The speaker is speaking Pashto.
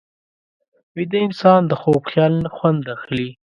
ویده انسان د خوب خیال نه خوند اخلي